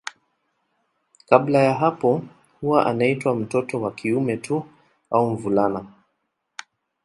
Kabla ya hapo huwa anaitwa mtoto wa kiume tu au mvulana.